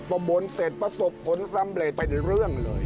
พอบนเสร็จประสบผลสำเร็จเป็นเรื่องเลย